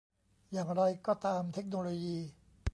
อย่างไรก็ตามเทคโนโลยี